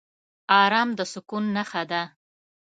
ارام د سکون نښه ده.